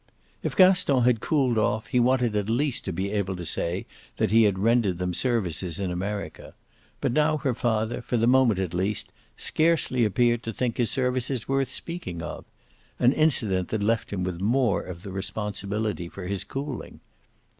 If Gaston had cooled off he wanted at least to be able to say that he had rendered them services in America; but now her father, for the moment at least, scarcely appeared to think his services worth speaking of: an incident that left him with more of the responsibility for his cooling.